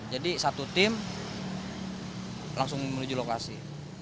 jadi satu tim langsung menuju lokasi